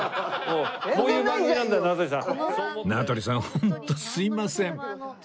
ホントすいません